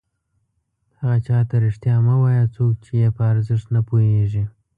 هغه چاته رښتیا مه وایه څوک چې یې په ارزښت نه پوهېږي.